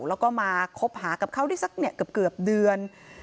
แล้วก็มาคบหากับเขาได้สักเกือบเดือน